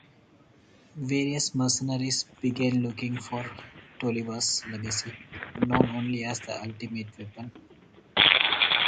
Various mercenaries began looking for Tolliver's legacy, known only as the ultimate weapon.